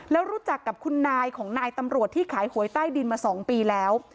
แล้วรู้จักกับคุณนายของนายตำรวจที่ขายหวยใต้ดินมา๒ปีแล้ว